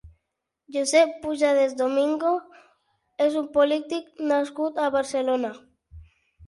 Josep Pujadas Domingo és un polític nascut a Barcelona.